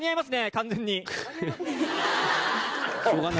完全に。